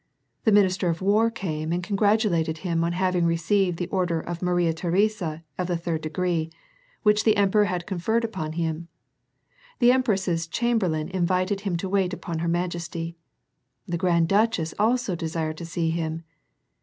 The minister of war came and congratulated him on having received the order of Maria Theresa of the third degree, which the emperor had conferred upon him. The empress's chamber lain invited him to wait upon her majesty. The grand duchess also desired to see him.